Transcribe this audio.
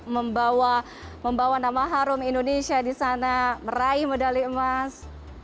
membawa membawa nama harum indonesia disana meraih medali emas